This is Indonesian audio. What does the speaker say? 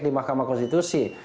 di mahkamah konstitusi